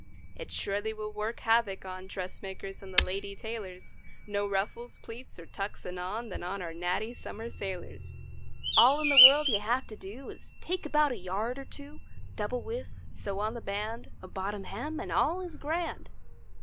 130 It surely will work havoc on Dressmakers and the lady tailors; No ruffles, pleats or tucks anon, Than on our natty summer sailors. All in the world you have to do Is take about a yard or two, (Double width), sew on the band— A bottom hem, and all is grand.